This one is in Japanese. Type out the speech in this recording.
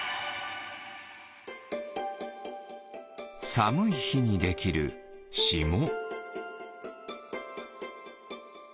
さむいひにできるしも。